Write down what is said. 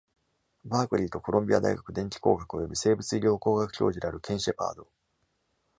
バークリーと、コロンビア大学電気工学および生物医療工学教授であるケン・シェパード。